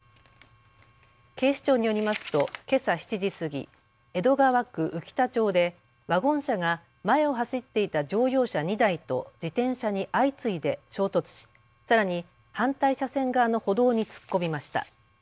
警視庁によりますとけさ７時過ぎ、江戸川区宇喜田町でワゴン車が前を走っていた乗用車２台と自転車に相次いで衝突し、さらに反対車線側の歩道に突っ込みました。